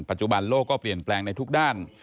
โลกก็เปลี่ยนแปลงในทุกด้าน